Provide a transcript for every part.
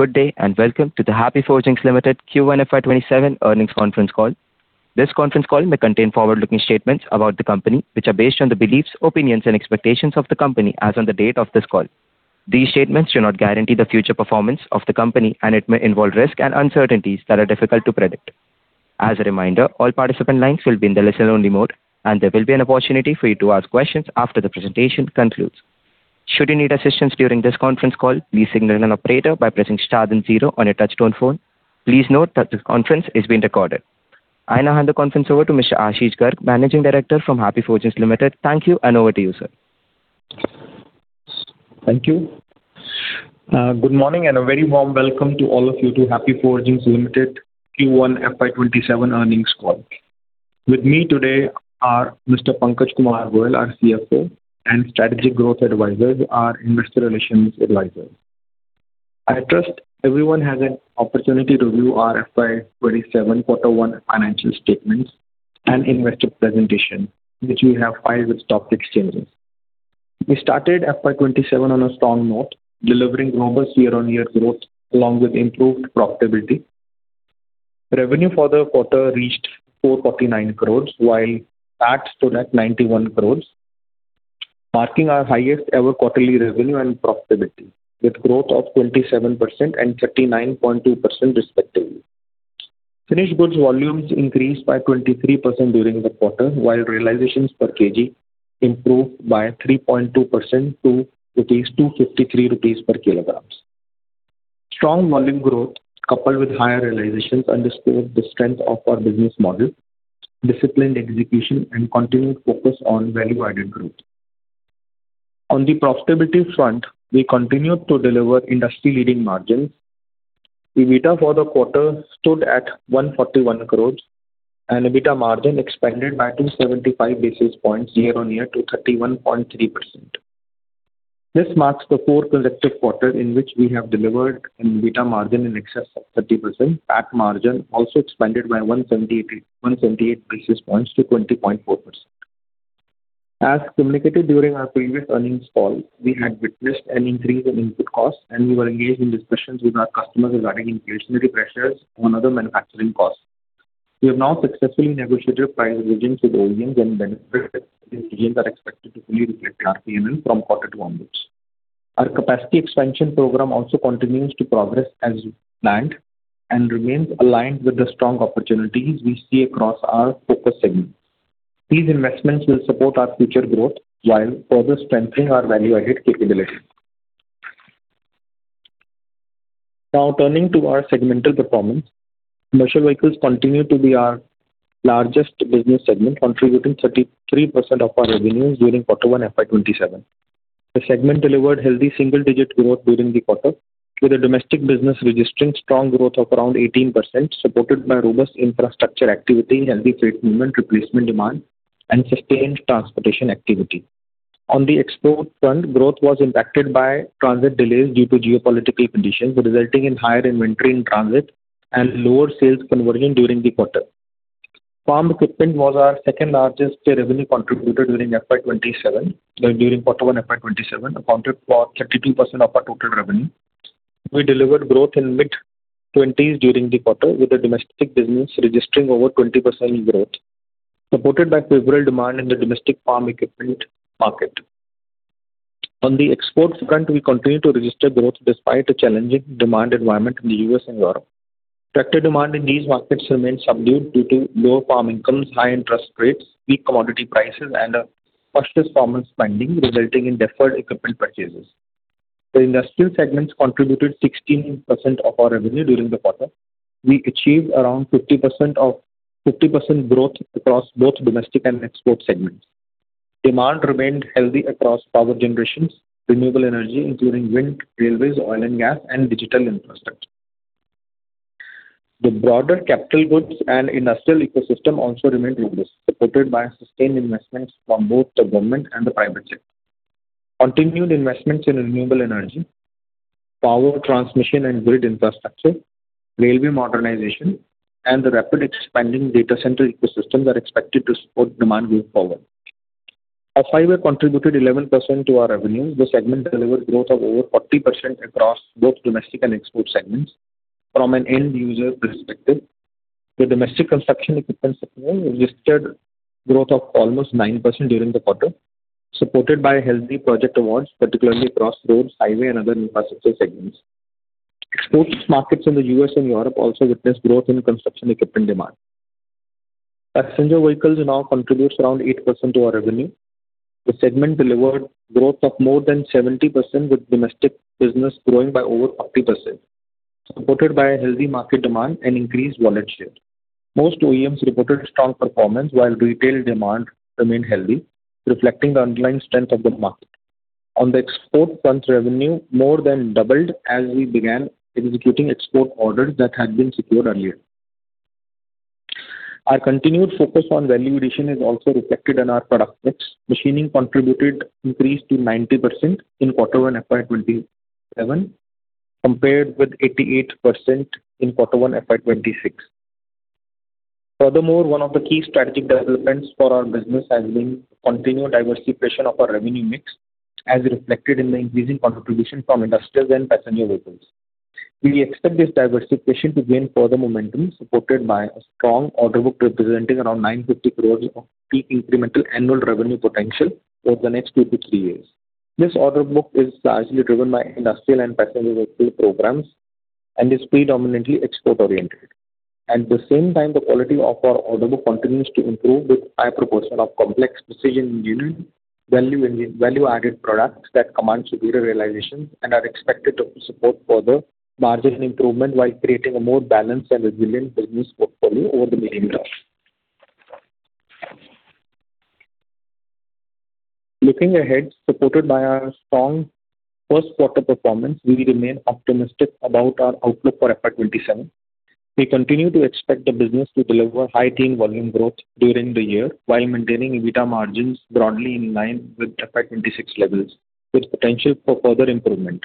Good day, welcome to the Happy Forgings Limited Q1 FY 2027 earnings conference call. This conference call may contain forward-looking statements about the company, which are based on the beliefs, opinions, and expectations of the company as on the date of this call. These statements do not guarantee the future performance of the company, it may involve risks and uncertainties that are difficult to predict. As a reminder, all participant lines will be in the listen-only mode, there will be an opportunity for you to ask questions after the presentation concludes. Should you need assistance during this conference call, please signal an operator by pressing star then zero on your touchtone phone. Please note that this conference is being recorded. I now hand the conference over to Mr. Ashish Garg, Managing Director from Happy Forgings Limited. Thank you, over to you, sir. Thank you. Good morning, a very warm welcome to all of you to Happy Forgings Limited Q1 FY 2027 earnings call. With me today are Mr. Pankaj Kumar Goyal, our CFO, Strategic Growth Advisors, our Investor Relations Advisors. I trust everyone has an opportunity to view our FY 2027 quarter one financial statements and investor presentation, which we have filed with stock exchanges. We started FY 2027 on a strong note, delivering robust year-on-year growth along with improved profitability. Revenue for the quarter reached 439 crores while PAT stood at 91 crores, marking our highest-ever quarterly revenue and profitability, with growth of 27% and 39.2% respectively. Finished goods volumes increased by 23% during the quarter, while realizations per kg improved by 3.2% to 253 rupees per kilograms. Strong volume growth, coupled with higher realizations, underscore the strength of our business model, disciplined execution, and continued focus on value-added growth. On the profitability front, we continued to deliver industry-leading margins. EBITDA for the quarter stood at 141 crores, EBITDA margin expanded by 275 basis points year-on-year to 31.3%. This marks the fourth consecutive quarter in which we have delivered an EBITDA margin in excess of 30%. PAT margin also expanded by 178 basis points to 20.4%. As communicated during our previous earnings call, we had witnessed an increase in input costs, we were engaged in discussions with our customers regarding inflationary pressures on other manufacturing costs. We have now successfully negotiated price revisions with OEMs and benefited, these gains are expected to fully reflect in our P&L from quarter two onwards. Our capacity expansion program also continues to progress as planned, remains aligned with the strong opportunities we see across our focus segments. These investments will support our future growth while further strengthening our value-added capabilities. Now turning to our segmental performance. Commercial vehicles continue to be our largest business segment, contributing 33% of our revenues during quarter one FY 2027. The segment delivered healthy single-digit growth during the quarter, with the domestic business registering strong growth of around 18%, supported by robust infrastructure activity, healthy freight movement, replacement demand, sustained transportation activity. On the export front, growth was impacted by transit delays due to geopolitical conditions, resulting in higher inventory in transit, lower sales conversion during the quarter. Farm equipment was our second-largest revenue contributor during FY 2027. During quarter one FY 2027, it accounted for 32% of our total revenue. We delivered growth in mid-20s during the quarter, with the domestic business registering over 20% growth, supported by pivotal demand in the domestic farm equipment market. On the export front, we continued to register growth despite a challenging demand environment in the U.S. and Europe. Tractor demand in these markets remains subdued due to lower farm incomes, high interest rates, weak commodity prices, and a cautious performance spending resulting in deferred equipment purchases. The industrial segments contributed 16% of our revenue during the quarter. We achieved around 50% growth across both domestic and export segments. Demand remained healthy across power generations, renewable energy, including wind, railways, oil and gas, and digital infrastructure. The broader capital goods and industrial ecosystem also remained robust, supported by sustained investments from both the government and the private sector. Continued investments in renewable energy, power transmission and grid infrastructure, railway modernization, and the rapid expanding data center ecosystems are expected to support demand going forward. Off-highway contributed 11% to our revenue. The segment delivered growth of over 40% across both domestic and export segments from an end user perspective. The domestic construction equipment segment registered growth of almost 9% during the quarter, supported by healthy project awards, particularly across roads, highway, and other infrastructure segments. Export markets in the U.S. and Europe also witnessed growth in construction equipment demand. Passenger vehicles now contributes around 8% to our revenue. The segment delivered growth of more than 70%, with domestic business growing by over 40%, supported by a healthy market demand and increased wallet share. Most OEMs reported strong performance while retail demand remained healthy, reflecting the underlying strength of the market. On the export front revenue more than doubled as we began executing export orders that had been secured earlier. Our continued focus on value addition is also reflected in our product mix. Machining contributed increase to 90% in quarter one FY 2027 compared with 88% in quarter one FY 2026. One of the key strategic developments for our business has been continued diversification of our revenue mix, as reflected in the increasing contribution from industrials and passenger vehicles. We expect this diversification to gain further momentum supported by a strong order book representing around 950 crores of peak incremental annual revenue potential over the next two to three years. This order book is largely driven by industrial and passenger vehicle programs and is predominantly export-oriented. At the same time, the quality of our order book continues to improve with high proportion of complex precision engineering value-added products that command superior realizations and are expected to support further margin improvement while creating a more balanced and resilient business portfolio over the medium term. Looking ahead, supported by our strong first quarter performance, we remain optimistic about our outlook for FY 2027. We continue to expect the business to deliver high teen volume growth during the year while maintaining EBITDA margins broadly in line with FY 2026 levels with potential for further improvement.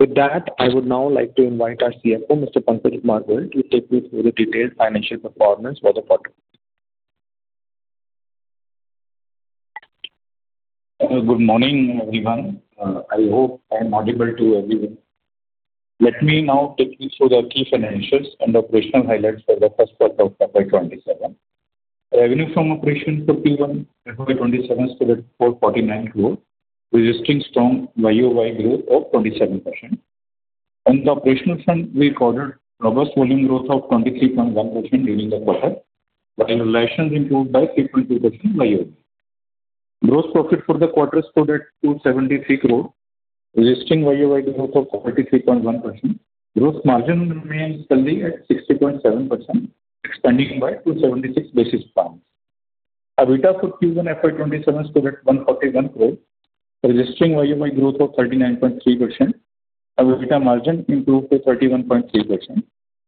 With that, I would now like to invite our CFO, Mr. Pankaj Kumar Goyal, to take you through the detailed financial performance for the quarter. Good morning, everyone. I hope I'm audible to everyone. Let me now take you through the key financials and operational highlights for the first quarter of FY 2027. Revenue from operations for Q1 FY 2027 stood at INR 449 crore, registering strong YoY growth of 27%. On the operational front, we recorded robust volume growth of 23.1% during the quarter, while realizations improved by 3.2% YoY. Gross profit for the quarter stood at 273 crore, registering YoY growth of 43.1%. Gross margin remains healthy at 60.7%, expanding by 276 basis points. EBITDA for Q1 FY 2027 stood at 141 crore, registering YoY growth of 39.3%. EBITDA margin improved to 31.3%,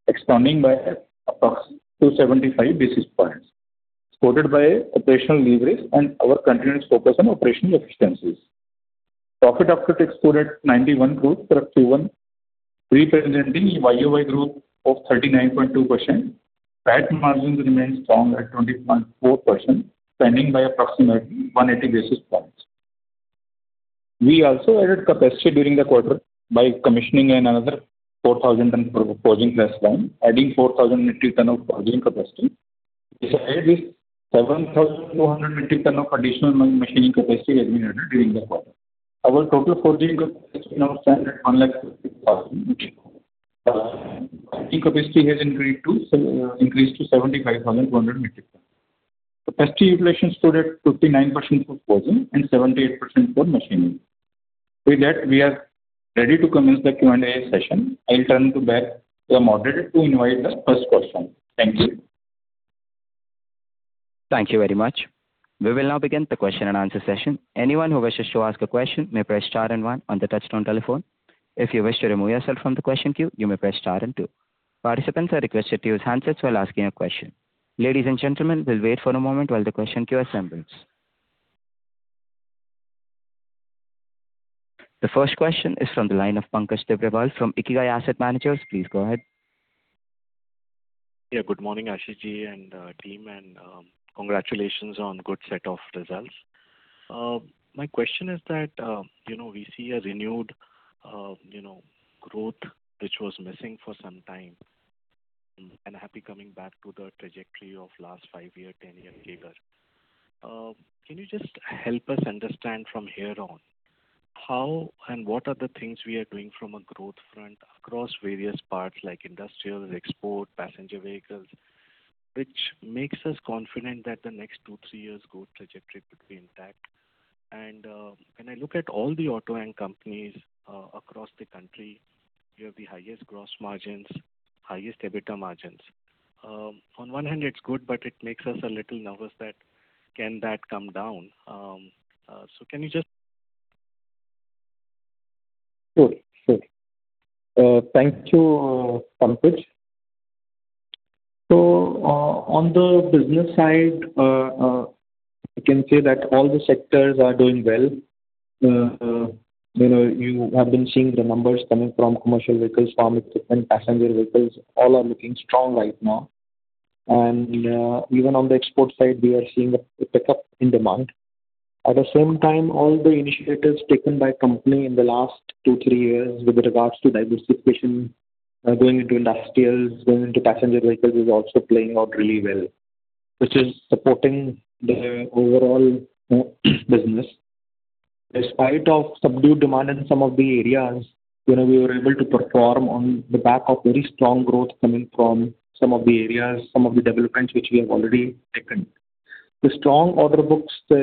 expanding by approximately 275 basis points, supported by operational leverage and our continued focus on operational efficiencies. Profit After Tax stood at 91 crore for Q1, representing YoY growth of 39.2%. PAT margins remained strong at 20.4%, expanding by approximately 180 basis points. We also added capacity during the quarter by commissioning another 4,000 tons forging press line, adding 4,000 metric tons of forging capacity. Besides this, 7,200 metric tons of additional machining capacity has been added during the quarter. Our total forging capacity now stands at 150,000 metric tons. Machining capacity has increased to 75,200 metric tons. Capacity utilization stood at 59% for forging and 78% for machining. With that, we are ready to commence the Q&A session. I'll turn to back the moderator to invite the first question. Thank you. Thank you very much. We will now begin the question-and-answer session. Anyone who wishes to ask a question may press star and one on the touchtone telephone. If you wish to remove yourself from the question queue, you may press star and two. Participants are requested to use handsets while asking a question. Ladies and gentlemen, we'll wait for a moment while the question queue assembles. The first question is from the line of Pankaj Tibrewal from Ikigai Asset Managers. Please go ahead. Yeah. Good morning, Ashish Ji and team, and congratulations on good set of results. My question is that we see a renewed growth which was missing for some time and happy coming back to the trajectory of last 5-year, 10-year figure. Can you just help us understand from here on, how and what are the things we are doing from a growth front across various parts like industrials, export, passenger vehicles, which makes us confident that the next two to three years growth trajectory could be intact? And when I look at all the auto ancillaries companies across the country, you have the highest gross margins, highest EBITDA margins. On one hand, it's good, but it makes us a little nervous that can that come down? So can you just Sure. Thank you, Pankaj. On the business side, I can say that all the sectors are doing well. You have been seeing the numbers coming from commercial vehicles, farm equipment, passenger vehicles, all are looking strong right now. Even on the export side, we are seeing a pickup in demand. At the same time, all the initiatives taken by Company in the last two, three years with regards to diversification, going into industrials, going into passenger vehicles is also playing out really well, which is supporting the overall business. Despite of subdued demand in some of the areas, we were able to perform on the back of very strong growth coming from some of the areas, some of the developments which we have already taken. The strong order books of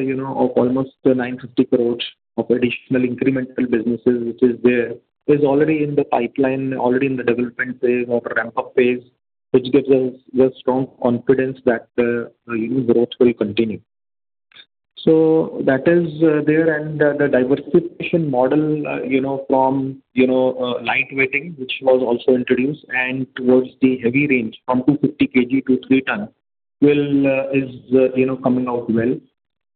almost 950 crore of additional incremental businesses, which is there, is already in the pipeline, already in the development phase or ramp-up phase, which gives us the strong confidence that growth will continue. That is there, the diversification model from light weighting, which was also introduced and towards the heavy range from 250 kg to 3 ton is coming out well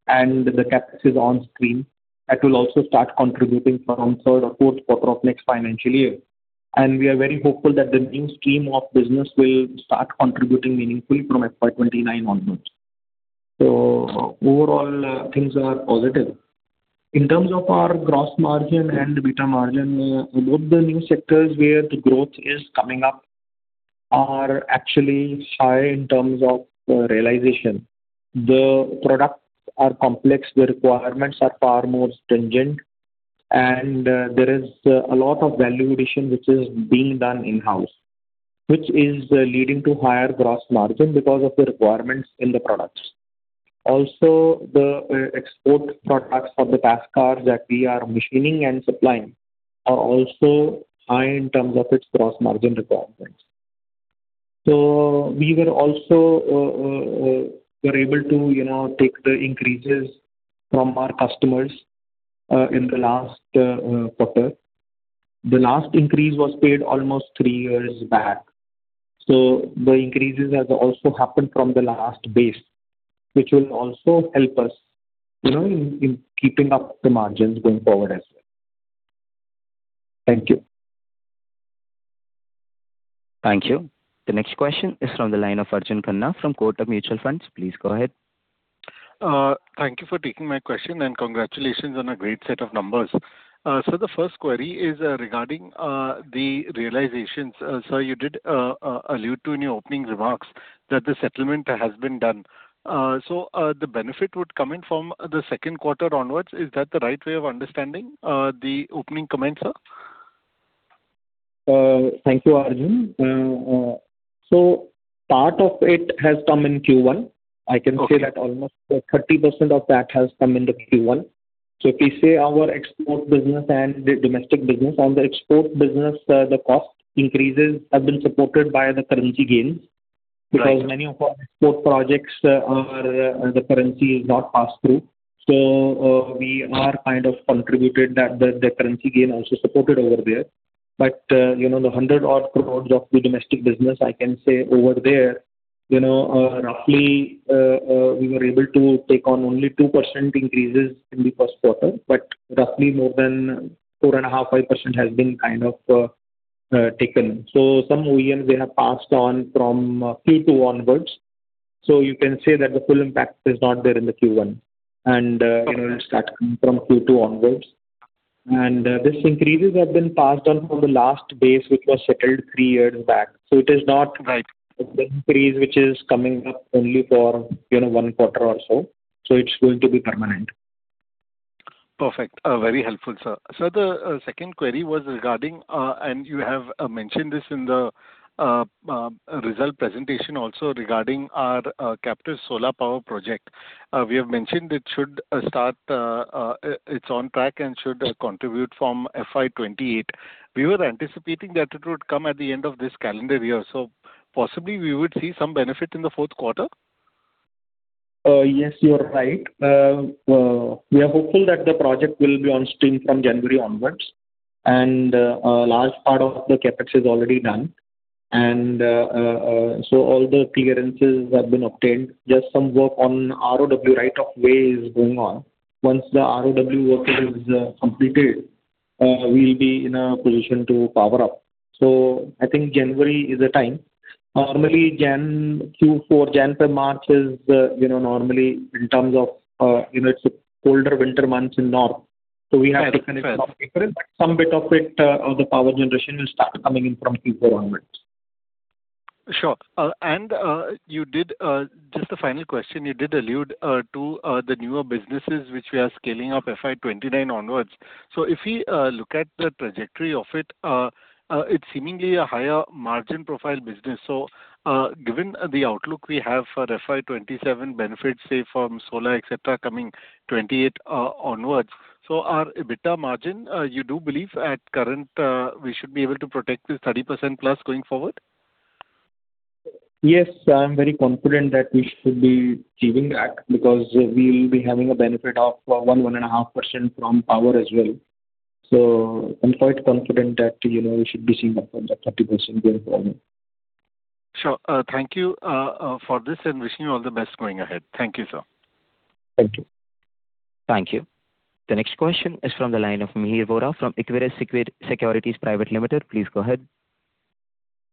and the CapEx is on stream. That will also start contributing from third or fourth quarter of next financial year. We are very hopeful that the new stream of business will start contributing meaningfully from FY 2029 onwards. Overall, things are positive. In terms of our gross margin and EBITDA margin, both the new sectors where the growth is coming up are actually high in terms of realization. The products are complex, the requirements are far more stringent, there is a lot of value addition which is being done in-house, which is leading to higher gross margin because of the requirements in the products. Also, the export products for the fast cars that we are machining and supplying are also high in terms of its gross margin requirements. We were also able to take the increases from our customers in the last quarter. The last increase was paid almost three years back. The increases has also happened from the last base, which will also help us in keeping up the margins going forward as well. Thank you. Thank you. The next question is from the line of Arjun Khanna from Kotak Mutual Fund. Please go ahead. Thank you for taking my question and congratulations on a great set of numbers. The first query is regarding the realizations. Sir, you did allude to in your opening remarks that the settlement has been done. The benefit would come in from the second quarter onwards. Is that the right way of understanding the opening comment, sir? Thank you, Arjun. Part of it has come in Q1. I can say that almost 30% of that has come into Q1. If we say our export business and the domestic business, on the export business, the cost increases have been supported by the currency gains because many of our export projects are the currency is not passed through. We are kind of contributed that the currency gain also supported over there. The 100 odd crores of the domestic business, I can say over there, roughly we were able to take on only 2% increases in the first quarter, but roughly more than 4.5%-5% has been kind of taken. Some OEMs they have passed on from Q2 onwards. You can say that the full impact is not there in the Q1 and it will start coming from Q2 onwards. These increases have been passed on from the last base, which was settled three years back. It is not. Right. The increase which is coming up only for one quarter or so. It's going to be permanent. Perfect. Very helpful, Sir. The second query was regarding, and you have mentioned this in the result presentation also regarding our captive solar power project. We have mentioned it's on track and should contribute from FY 2028. We were anticipating that it would come at the end of this calendar year. Possibly we would see some benefit in the fourth quarter? Yes, you are right. We are hopeful that the project will be on stream from January onwards and a large part of the CapEx is already done. All the clearances have been obtained. Just some work on ROW, right of way, is going on. Once the ROW work is completed, we will be in a position to power up. I think January is the time. Normally Q4, January, March is normally in terms of, it's colder winter months in north. We have to kind of. Yes. Some bit of it, the power generation will start coming in from Q4 onwards. Sure. Just a final question, you did allude to the newer businesses which we are scaling up FY 2029 onwards. If we look at the trajectory of it's seemingly a higher margin profile business. Given the outlook we have for FY 2027 benefits, say from solar, et cetera, coming 2028 onwards. Our EBITDA margin, you do believe at current, we should be able to protect the 30%+ going forward? Yes. I'm very confident that we should be achieving that because we will be having a benefit of 1%-1.5% from power as well. I'm quite confident that we should be seeing above that 30% going forward. Sure. Thank you for this and wishing you all the best going ahead. Thank you, sir. Thank you. Thank you. The next question is from the line of Mihir Vora from Equirus Securities Private Limited. Please go ahead.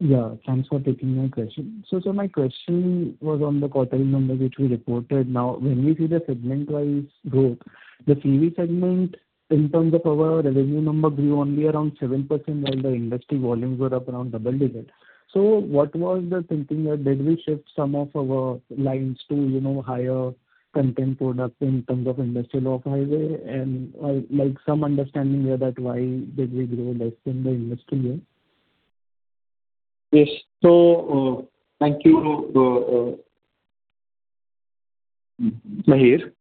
Yeah, thanks for taking my question. Sir, my question was on the quarterly numbers which we reported. When we see the segment-wise growth, the CV segment in terms of our revenue number grew only around 7% while the industry volumes were up around double digit. What was the thinking there? Did we shift some of our lines to higher content product in terms of industrial off-highway, some understanding here that why did we grow less than the industry here? Yes. Thank you, Mihir.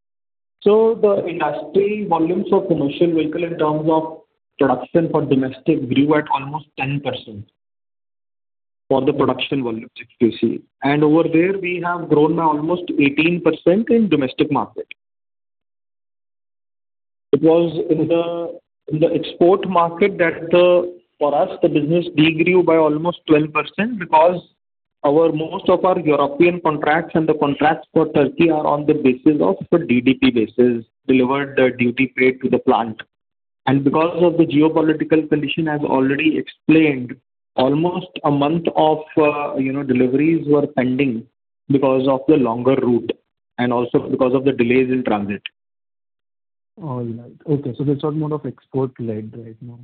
The industry volumes for commercial vehicle in terms of production for domestic grew at almost 10% for the production volumes, if you see. Over there, we have grown by almost 18% in domestic market. It was in the export market that for us, the business degrew by almost 12%, because most of our European contracts and the contracts for Turkey are on the basis of a DDP basis, delivered duty paid to the plant. Because of the geopolitical condition, as already explained, almost a month of deliveries were pending because of the longer route and also because of the delays in transit. All right. Okay, it's all more of export-led right now.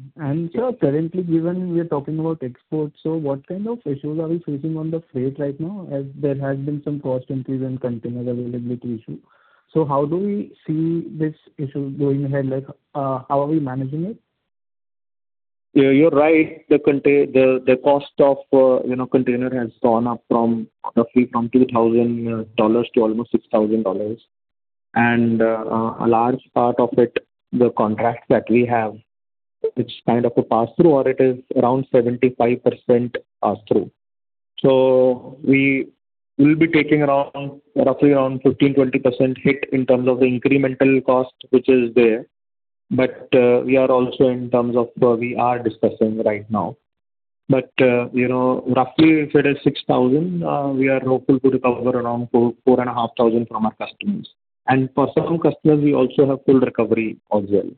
Sir, currently, given we are talking about exports, what kind of issues are we facing on the freight right now, as there has been some cost increase and containers availability issue. How do we see this issue going ahead? How are we managing it? You're right. The cost of container has gone up roughly from $2,000 to almost $6,000. A large part of it, the contracts that we have, it's kind of a passthrough or it is around 75% passthrough. We will be taking roughly around 15%-20% hit in terms of the incremental cost which is there. We are also in terms of we are discussing right now. Roughly if it is $6,000, we are hopeful to recover around $4,500 from our customers. For some customers, we also have full recovery as well.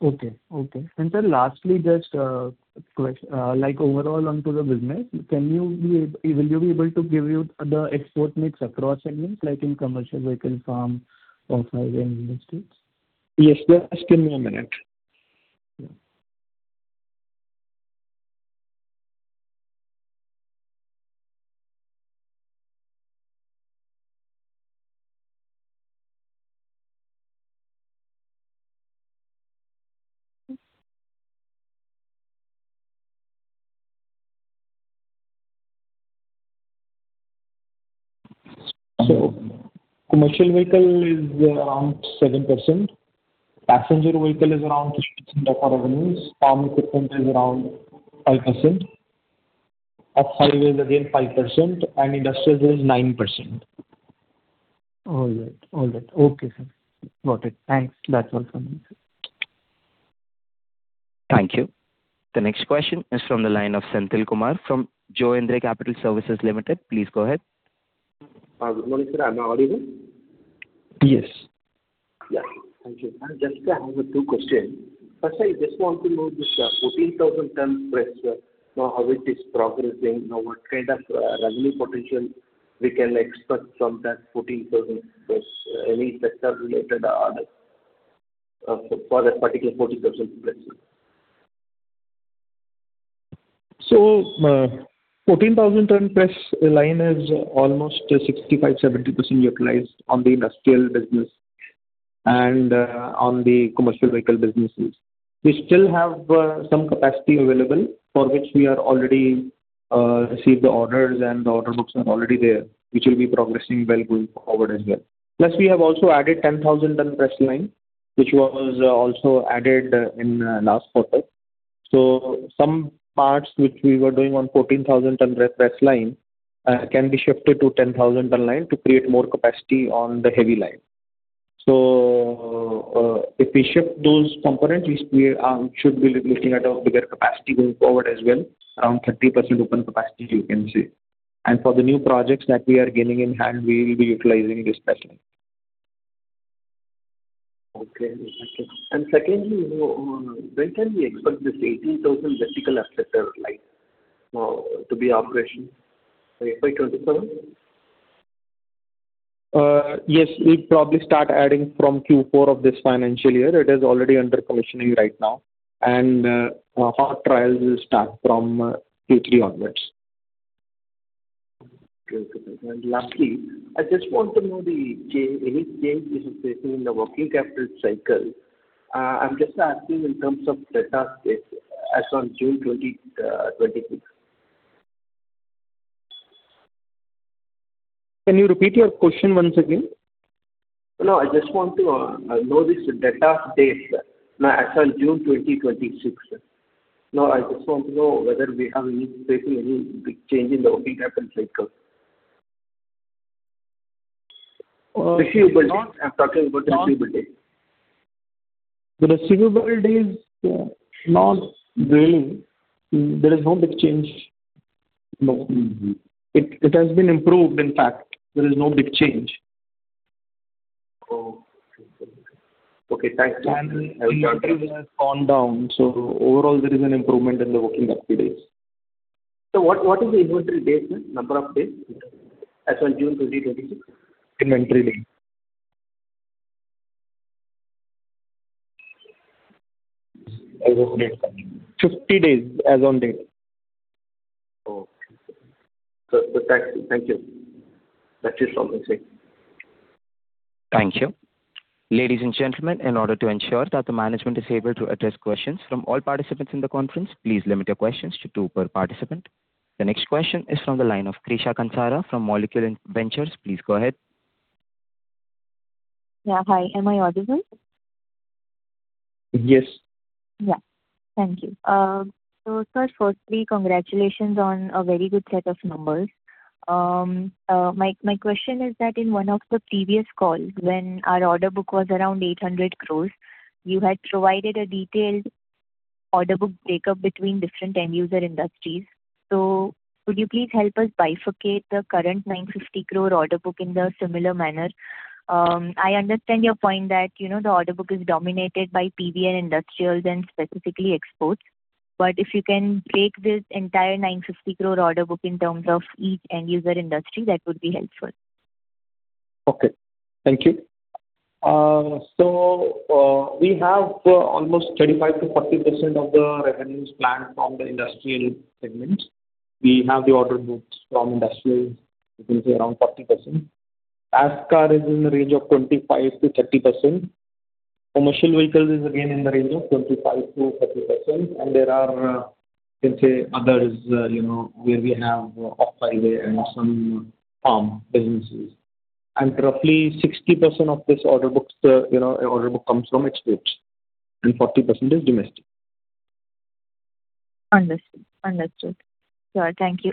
Sir, lastly, just a question, like overall onto the business, will you be able to give the export mix across segments like in Commercial Vehicle, Farm, Off-Highway and Industrials? Yes. Just give me a minute. Yeah. Commercial Vehicle is around 7%, Passenger Vehicle is around of our revenues, Farm Equipment is around 5%, Off-Highway is again 5%, and Industrial is 9%. All right. Okay, sir. Got it. Thanks. That's all from me, sir. Thank you. The next question is from the line of Senthil Kumar from Joindre Capital Services Limited. Please go ahead. Good morning, sir. Am I audible? Yes. Yeah. Thank you. Just I have two questions. First, I just want to know this 14,000 ton press, how it is progressing now, what kind of revenue potential we can expect from that 14,000 press, any sector related order for that particular 14,000 press. 14,000 ton press line is almost 65%-70% utilized on the industrial business and on the commercial vehicle businesses. We still have some capacity available for which we are already received the orders, and the order books are already there, which will be progressing well going forward as well. Plus, we have also added 10,000 ton press line, which was also added in last quarter. Some parts which we were doing on 14,000 ton press line can be shifted to 10,000 ton line to create more capacity on the heavy line. If we shift those components, we should be looking at a bigger capacity going forward as well, around 30% open capacity you can say. For the new projects that we are getting in hand, we will be utilizing this press line. Okay. Secondly, when can we expect this 18,000 vertical press line to be operational? FY 2027? Yes, we'll probably start adding from Q4 of this financial year. It is already under commissioning right now, and hot trials will start from Q3 onwards. Okay. Lastly, I just want to know any change this is facing in the working capital cycle. I'm just asking in terms of data as on June 2026. Can you repeat your question once again? No, I just want to know this data as on June 2026, sir. I just want to know whether we have been facing any big change in the working capital cycle. No. Receivables. I'm talking about receivables. The receivables, there is no big change, no. It has been improved, in fact. There is no big change. Okay. Okay. Thanks. Inventories have gone down, so overall, there is an improvement in the working capital days. Sir, what is the inventory days, sir? Number of days as on June 2026? Inventory days. As of date. 50 days as on date. Okay. Sir, thank you. That's it from my side. Thank you. Ladies and gentlemen, in order to ensure that the management is able to address questions from all participants in the conference, please limit your questions to two per participant. The next question is from the line of Krisha Kansara from Molecule Ventures. Please go ahead. Yeah. Hi, am I audible? Yes. Yeah. Thank you. Sir, firstly, congratulations on a very good set of numbers. My question is that in one of the previous calls, when our order book was around 800 crore, you had provided a detailed order book breakup between different end user industries. Could you please help us bifurcate the current 950 crore order book in the similar manner? I understand your point that the order book is dominated by PV and industrials and specifically exports. If you can break this entire 950 crore order book in terms of each end user industry, that would be helpful. Okay. Thank you. We have almost 35%-40% of the revenues planned from the industrial segment. We have the order books from industrials, you can say around 40%. Passenger Car is in the range of 25%-30%, commercial vehicles is again in the range of 25%-30%, and there are others where we have off-highway and some farm businesses. Roughly 60% of this order book comes from exports and 40% is domestic. Understood. Sure. Thank you.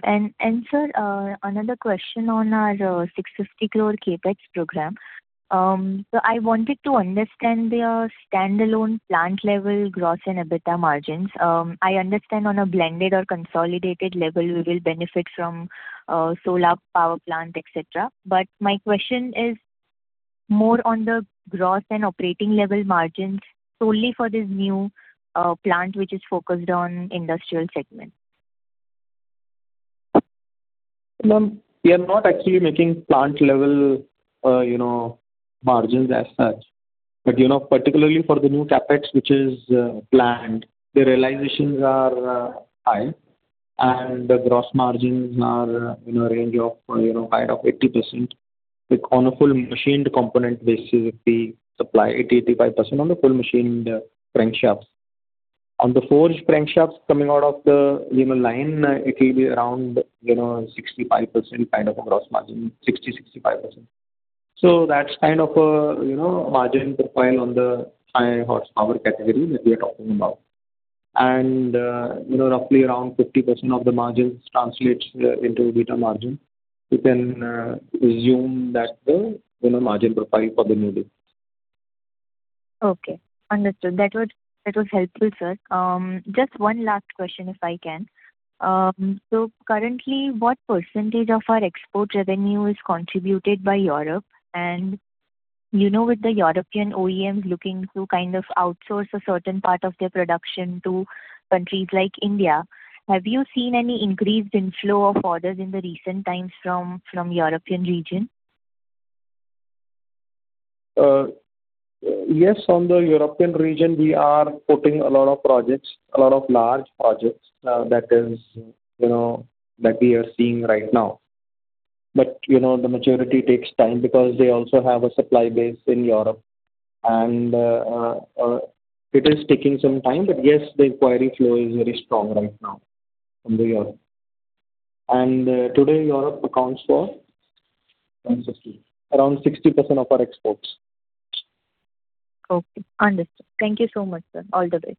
Sir, another question on our 650 crore CapEx program. I wanted to understand their standalone plant level gross and EBITDA margins. I understand on a blended or consolidated level, we will benefit from solar power plant, et cetera. My question is more on the gross and operating level margins solely for this new plant, which is focused on industrial segment. Ma'am, we are not actually making plant level margins as such. Particularly for the new CapEx which is planned, the realizations are high and the gross margins are in a range of 80%. On a full machined component basis, we supply 80%-85% on the full machined crankshafts. On the forged crankshafts coming out of the line, it will be around 65% kind of a gross margin, 60%-65%. That's kind of a margin profile on the high horsepower category that we are talking about. Roughly around 50% of the margins translates into EBITDA margin. You can assume that's the margin profile for the new deal. Okay. Understood. That was helpful, sir. Just one last question, if I can. Currently, what percentage of our export revenue is contributed by Europe? With the European OEMs looking to outsource a certain part of their production to countries like India, have you seen any increased inflow of orders in the recent times from European region? From the European region, we are putting a lot of projects, a lot of large projects that we are seeing right now. The maturity takes time because they also have a supply base in Europe, and it is taking some time. Yes, the inquiry flow is very strong right now from Europe. Today, Europe accounts for around 60% of our exports. Okay. Understood. Thank you so much, sir. All the best.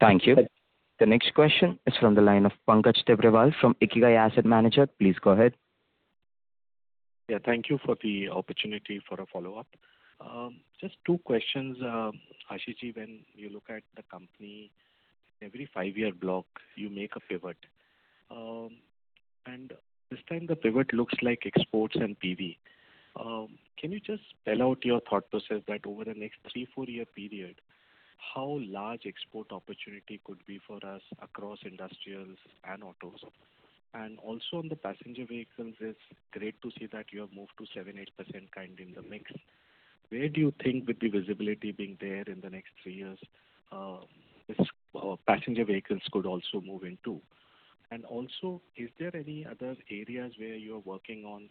Thank you. The next question is from the line of Pankaj Tibrewal from Ikigai Asset Managers. Please go ahead. Thank you for the opportunity for a follow-up. Just two questions. Ashish Ji, when you look at the company, every five-year block, you make a pivot, and this time the pivot looks like exports and PV. Can you just spell out your thought process that over the next three, four-year period, how large export opportunity could be for us across industrials and autos? Also on the passenger vehicles, it's great to see that you have moved to 7%-8% kind in the mix. Where do you think with the visibility being there in the next three years, passenger vehicles could also move into? is there any other areas where you are working on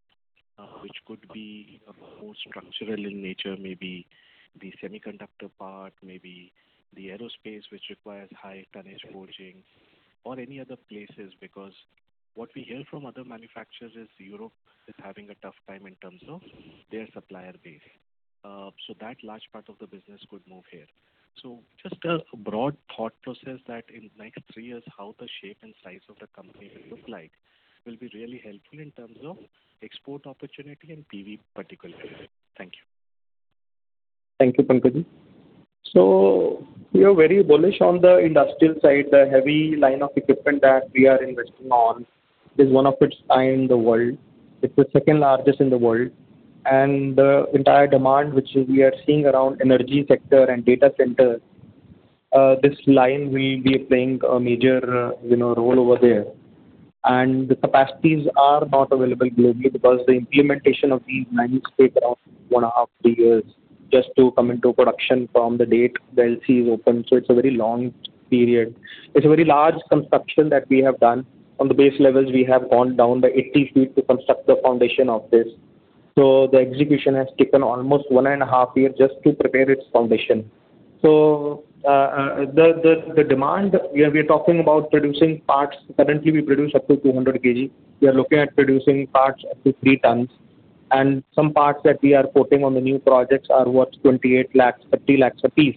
which could be more structural in nature, maybe the semiconductor part, maybe the aerospace, which requires high tonnage forging or any other places, because what we hear from other manufacturers is Europe is having a tough time in terms of their supplier base. That large part of the business could move here. Just a broad thought process that in next three years, how the shape and size of the company will look like will be really helpful in terms of export opportunity and PV particularly. Thank you. Thank you, Pankaj Ji. We are very bullish on the industrial side. The heavy line of equipment that we are investing on is one of its kind in the world. It's the 2nd largest in the world. The entire demand which we are seeing around energy sector and data centers, this line will be playing a major role over there. The capacities are not available globally because the implementation of these lines take around 1.5-2 years just to come into production from the date the LC is open. It's a very long period. It's a very large construction that we have done. On the base levels, we have gone down by 80 feet to construct the foundation of this. The execution has taken almost 1.5 years just to prepare its foundation. The demand we are talking about producing parts, currently we produce up to 200 kg. We are looking at producing parts up to 3 tons. Some parts that we are quoting on the new projects are worth 28 lakhs, 30 lakhs a piece,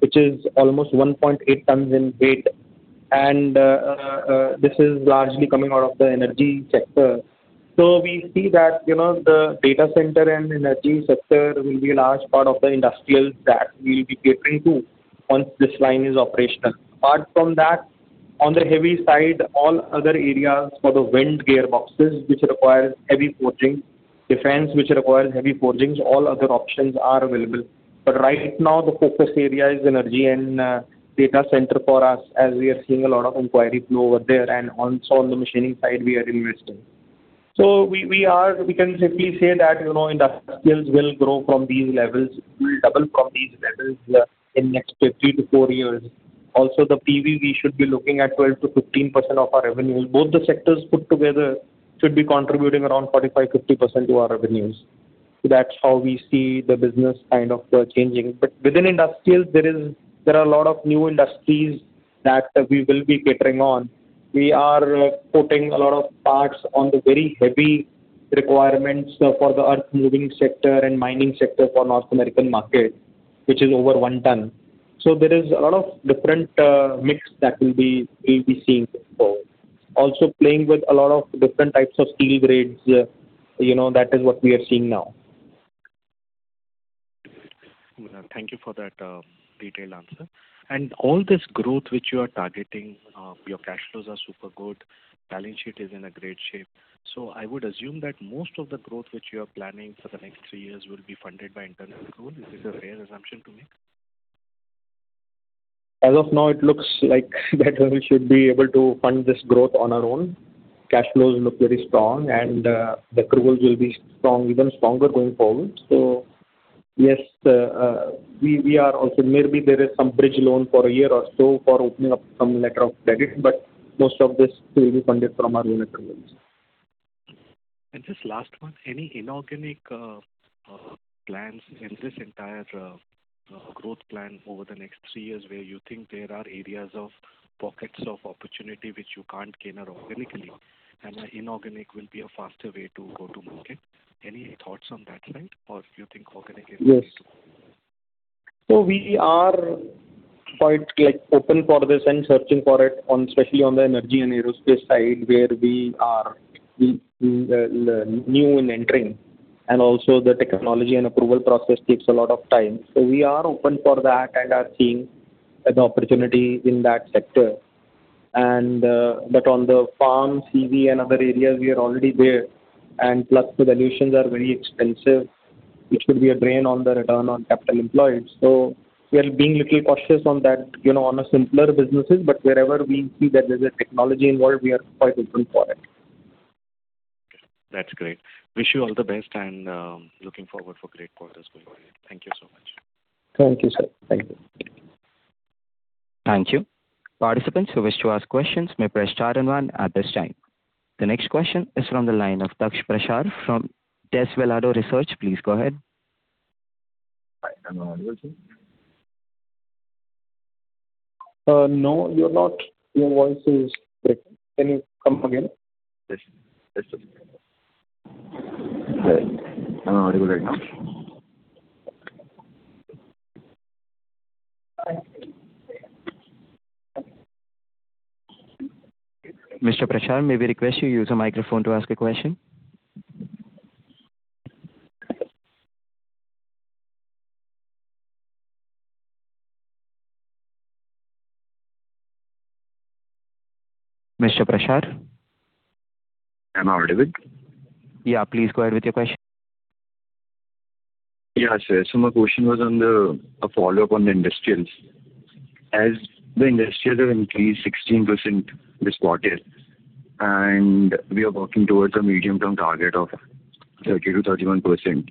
which is almost 1.8 tons in weight. This is largely coming out of the energy sector. We see that the data center and energy sector will be a large part of the industrials that we'll be catering to once this line is operational. Apart from that, on the heavy side, all other areas for the wind gearboxes, which require heavy forging, defense which require heavy forgings, all other options are available. Right now the focus area is energy and data center for us, as we are seeing a lot of inquiry flow over there and also on the machining side we are investing. We can safely say that industrials will grow from these levels, will double from these levels in next three to four years. Also the PV, we should be looking at 12%-15% of our revenues. Both the sectors put together should be contributing around 45%-50% to our revenues. That's how we see the business kind of changing. Within industrials, there are a lot of new industries that we will be catering on. We are putting a lot of parts on the very heavy requirements for the earth moving sector and mining sector for North American market, which is over 1 ton. There is a lot of different mix that we will be seeing going forward. Also playing with a lot of different types of steel grades, that is what we are seeing now. Thank you for that detailed answer. All this growth which you are targeting, your cash flows are super good. Balance sheet is in a great shape. I would assume that most of the growth which you are planning for the next three years will be funded by internal growth. Is this a fair assumption to make? As of now it looks like that we should be able to fund this growth on our own. Cash flows look very strong and the accruals will be even stronger going forward. Yes, maybe there is some bridge loan for a year or so for opening up some letter of credit, but most of this will be funded from our unit levels. Just last one, any inorganic plans in this entire growth plan over the next three years where you think there are areas of pockets of opportunity which you cannot gain organically and inorganic will be a faster way to go to market? Any thoughts on that front or you think organic is best? Yes. We are quite open for this and searching for it especially on the energy and aerospace side where we are new in entering and also the technology and approval process takes a lot of time. We are open for that and are seeing an opportunity in that sector. On the farm, CV and other areas we are already there and plus the solutions are very expensive, which could be a drain on the return on capital employed. We are being little cautious on that, on the simpler businesses, but wherever we see that there's a technology involved, we are quite open for it. Okay, that's great. Wish you all the best and looking forward for great quarters going forward. Thank you so much. Thank you, sir. Thank you. Thank you. Participants who wish to ask questions may press star and one at this time. The next question is from the line of Daksh Prashar from Desvelado Research. Please go ahead. Hi, am I audible to you? No, you're not. Your voice is breaking. Can you come again? Yes. Testing. Hi, am I audible right now? Mr. Prashar, may we request you use a microphone to ask a question? Mr. Prashar? Am I audible? Yeah. Please go ahead with your question. Yeah, sure. My question was a follow-up on the industrials. As the industrials have increased 16% this quarter, and we are walking towards a medium-term target of 30%-31%,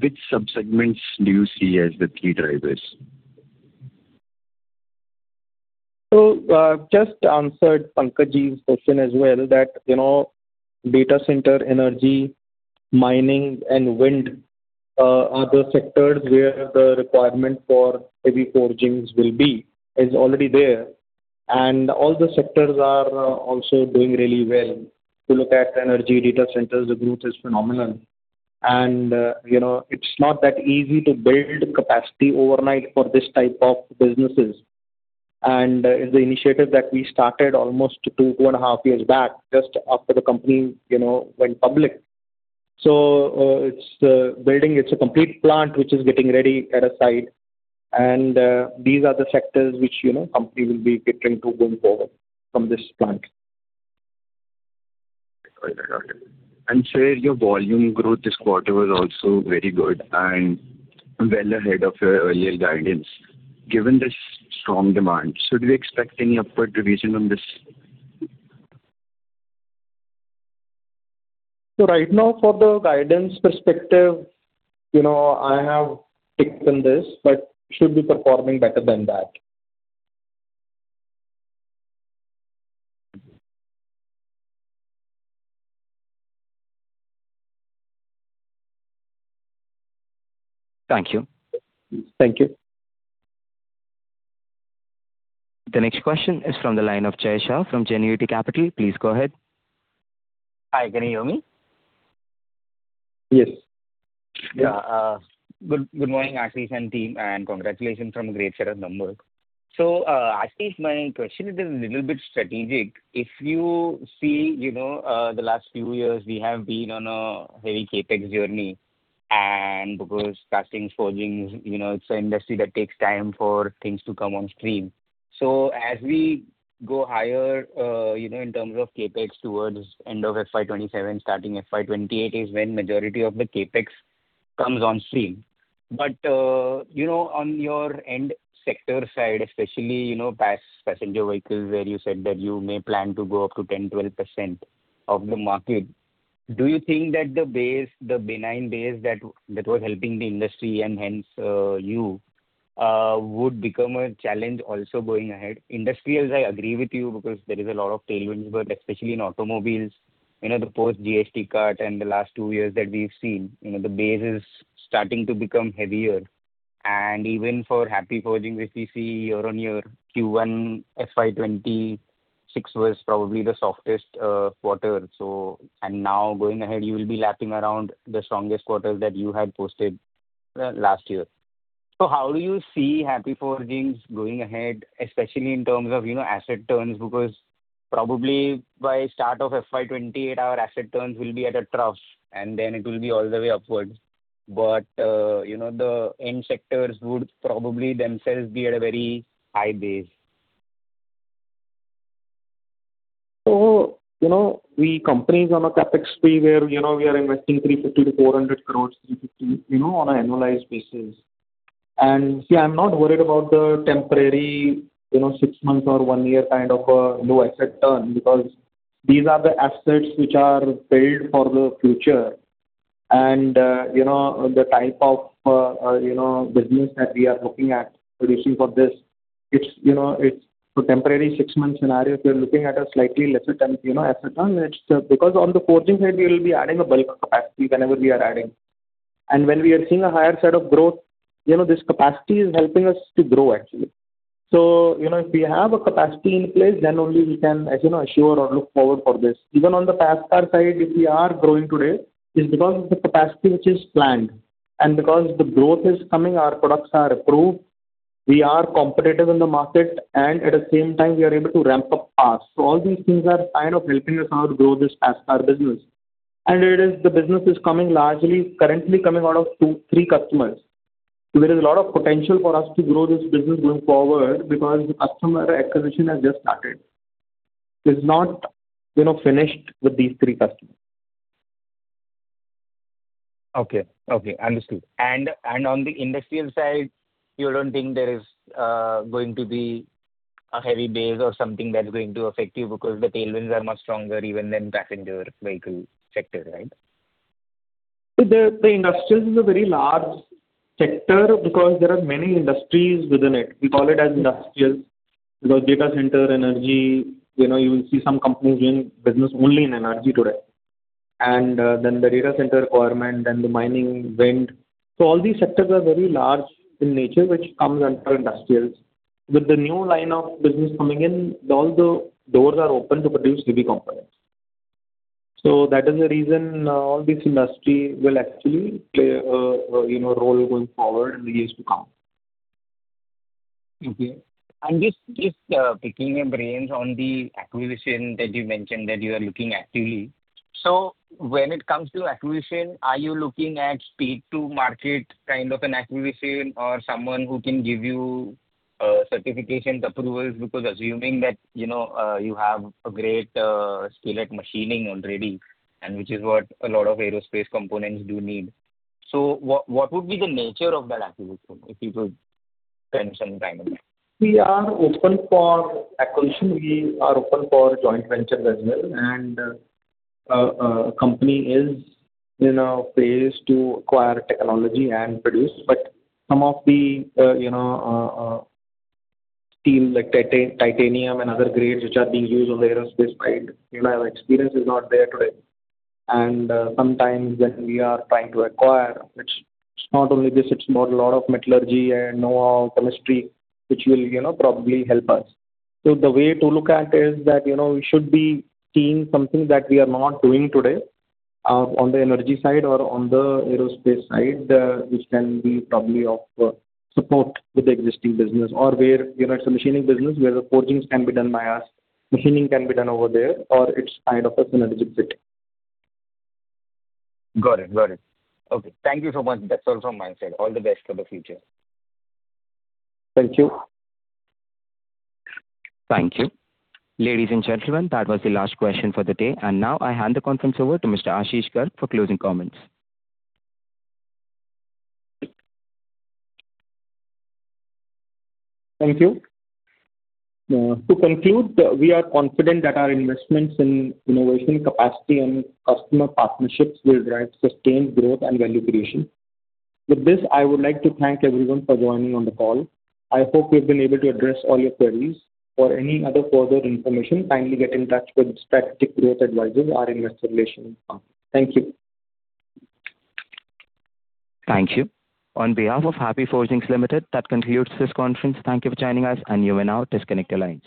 which sub-segments do you see as the key drivers? Just answered Pankaj Ji's question as well that data center, energy, mining and wind are the sectors where the requirement for heavy forgings will be, is already there. All the sectors are also doing really well. If you look at energy data centers, the growth is phenomenal. It's not that easy to build capacity overnight for this type of businesses. It's the initiative that we started almost two and a half years back just after the company went public. It's building, it's a complete plant which is getting ready at a site. These are the sectors which company will be catering to going forward from this plant. Got it. Sir your volume growth this quarter was also very good and well ahead of your earlier guidance. Given this strong demand, should we expect any upward revision on this? Right now for the guidance perspective, I have ticked in this, but should be performing better than that. Thank you. Thank you. The next question is from the line of Jay Shah from Genuity Capital. Please go ahead. Hi, can you hear me? Yes. Good morning, Ashish and team, and congratulations on the great share of number. Ashish, my question is a little bit strategic. If you see, the last few years, we have been on a very CapEx journey, and because castings, forgings, it's an industry that takes time for things to come on stream. As we go higher, in terms of CapEx towards end of FY 2027, starting FY 2028, is when majority of the CapEx comes on stream. On your end sector side, especially passenger vehicles, where you said that you may plan to go up to 10%-12% of the market, do you think that the benign base that was helping the industry and hence you, would become a challenge also going ahead? Industrials, I agree with you because there is a lot of tailwinds, but especially in automobiles, the post GST cut and the last two years that we've seen, the base is starting to become heavier. Even for Happy Forgings, if we see year-on-year Q1 FY 2026 was probably the softest quarter. Now going ahead, you will be lapping around the strongest quarter that you had posted last year. How do you see Happy Forgings going ahead, especially in terms of asset turns, because probably by start of FY 2028, our asset turns will be at a trough, and then it will be all the way upwards. The end sectors would probably themselves be at a very high base. The company is on a CapEx spree where we are investing 350 crore-400 crore, 350, on an annualized basis. I'm not worried about the temporary six months or one year kind of a low asset turn because these are the assets which are paid for the future. The type of business that we are looking at producing for this, for temporary six months scenario, if you're looking at a slightly lesser asset turn, it's because on the forging side, we will be adding a bulk of capacity whenever we are adding. When we are seeing a higher set of growth, this capacity is helping us to grow actually. If we have a capacity in place, then only we can assure or look forward for this. Even on the Passenger Car side, if we are growing today, it's because of the capacity which is planned and because the growth is coming, our products are approved, we are competitive in the market, and at the same time, we are able to ramp up fast. All these things are kind of helping us out grow this Passenger Car business. The business is currently coming out of three customers. There is a lot of potential for us to grow this business going forward because the customer acquisition has just started. It's not finished with these three customers. Okay. Understood. On the industrial side, you don't think there is going to be a heavy base or something that's going to affect you because the tailwinds are much stronger even than passenger vehicle sector, right? The industrials is a very large sector because there are many industries within it. We call it as industrial because data center, energy, you will see some companies doing business only in energy today. Then the data center requirement, then the mining, wind. All these sectors are very large in nature, which comes under industrials. With the new line of business coming in, all the doors are open to produce heavy components. That is the reason all this industry will actually play a role going forward in the years to come. Okay. Just picking your brains on the acquisition that you mentioned that you are looking actively. When it comes to acquisition, are you looking at speed to market kind of an acquisition or someone who can give you certifications, approvals, because assuming that you have a great skill at machining already, which is what a lot of aerospace components do need. What would be the nature of that acquisition, if you could spend some time on that? We are open for acquisition. We are open for joint ventures as well. A company is in a phase to acquire technology and produce, but some of the steel like titanium and other grades which are being used on the aerospace side, our experience is not there today. Sometimes when we are trying to acquire, it's not only this, it's about a lot of metallurgy and know-how chemistry, which will probably help us. The way to look at is that we should be seeing something that we are not doing today, on the energy side or on the aerospace side, which can be probably of support with the existing business or where it's a machining business where the forgings can be done by us, machining can be done over there, or it's kind of a synergistic fit. Got it. Okay. Thank you so much. That's all from my side. All the best for the future. Thank you. Thank you. Ladies and gentlemen, that was the last question for the day. Now I hand the conference over to Mr. Ashish Garg for closing comments. Thank you. To conclude, we are confident that our investments in innovation capacity and customer partnerships will drive sustained growth and value creation. With this, I would like to thank everyone for joining on the call. I hope we've been able to address all your queries. For any other further information, kindly get in touch with Strategic Growth Advisors, our investor relation firm. Thank you. Thank you. On behalf of Happy Forgings Limited, that concludes this conference. Thank you for joining us, and you may now disconnect your line.